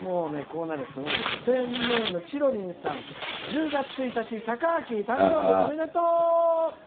ペンネームちろりんさん「１０月１日、たかあき誕生日おめでとう！」。